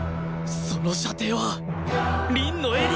その射程は凛のエリア！